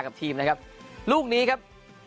กับทีมนะครับลูกนี้ครับ